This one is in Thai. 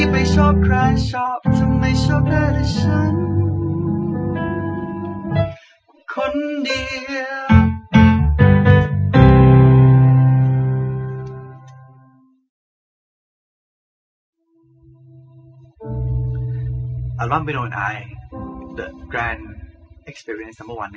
ไม่ชอบใครชอบเธอไม่ชอบแน่แต่ฉัน